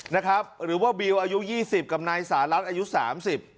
นะครับหรือว่าบิวอายุยี่สิบกับนายสหรัฐอายุสามสิบ